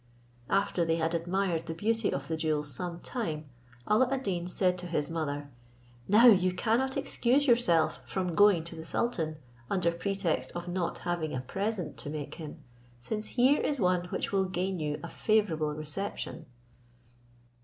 After they had admired the beauty of the jewels some time, Alla ad Deen said to his mother, "Now you cannot excuse yourself from going to the sultan, under pretext of not having a present to make him, since here is one which will gain you a favourable reception."